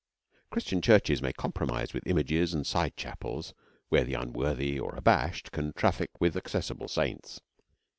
Christian churches may compromise with images and side chapels where the unworthy or abashed can traffic with accessible saints.